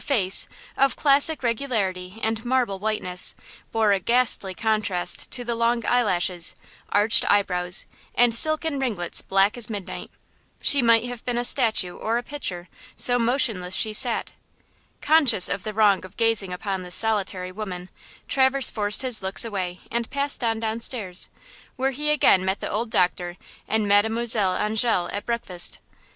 Her face, of classic regularity and marble whiteness, bore a ghastly contrast to the long eyelashes, arched eyebrows and silken ringlets black as midnight. She might have been a statue or a picture, so motionless she sat. Conscious of the wrong of gazing upon this solitary woman, Traverse forced his looks away and passed on down stairs, where he again met the old doctor and Mademoiselle Angele at breakfast.